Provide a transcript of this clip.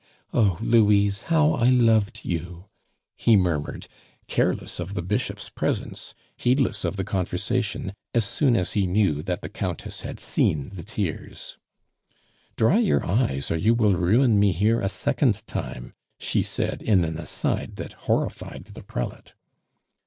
"Oh! Louise, how I loved you!" he murmured, careless of the Bishop's presence, heedless of the conversation, as soon as he knew that the Countess had seen the tears. "Dry your eyes, or you will ruin me here a second time," she said in an aside that horrified the prelate.